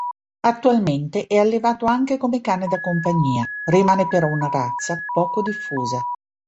Attualmente è allevato anche come cane da compagnia, rimane però una razza poco diffusa.